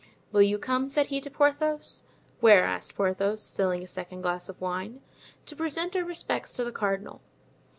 "Will you come?" said he to Porthos. "Where?" asked Porthos, filling a second glass of wine. "To present our respects to the cardinal."